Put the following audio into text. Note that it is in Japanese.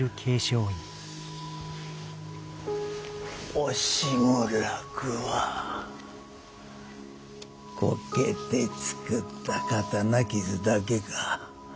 惜しむらくはこけて作った刀傷だけか。